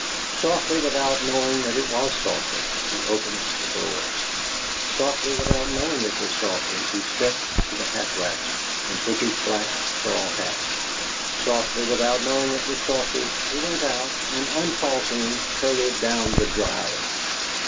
Softly, without knowing that it was softly, he opened the door; softly, without knowing it was softly, he stepped to the hat rack and took his black straw hat; softly, without knowing it was softly, he went out, and, unfaltering, hurried down the drive.